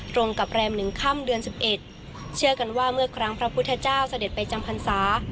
ตรงกับแรม๑ค่ำเดือน๑๑เชื่อกันว่าเมื่อครั้งพระพุทธเจ้าเสด็จไปจำพรรษา